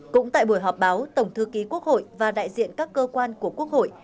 cũng tại buổi họp báo tổng thư ký quốc hội và đại diện các cơ quan của quốc hội